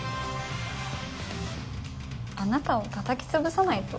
あなたをたたき潰さないと。